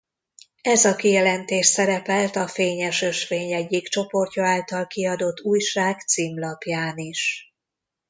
Ez a kijelentés szerepelt a Fényes Ösvény egyik csoportja által kiadott újság címlapján is.